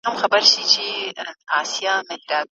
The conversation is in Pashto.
ستاسو په څیر بل نشته.